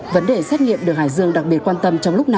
vấn đề xét nghiệm đường hải dương đặc biệt quan tâm